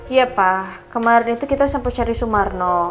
iya pak kemaren itu kita sampai cari sumarno